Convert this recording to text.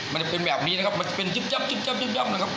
มันจะเป็นแบบนี้นะครับมันจะเป็นจิ๊บยับจิ๊บย่ำนะครับ